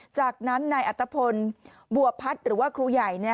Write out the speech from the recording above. จากนั้นนายอัตภพลบัวพัฒน์หรือว่าครูใหญ่